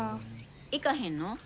行かへんの？